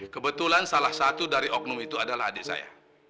kebetulan salah satu dari oknum itu adalah adik saya